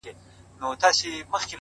o گوره زما گراني زما د ژوند شاعري ـ